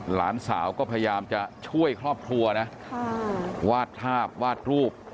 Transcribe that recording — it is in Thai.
หลานสาวก็พยายามจะช่วยครอบครัวนะวาดภาพวาดรูป